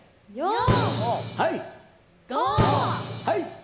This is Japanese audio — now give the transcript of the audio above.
はい。